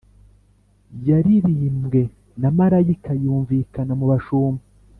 Yaririmbwe na marayika, yumvikana mu bashumba.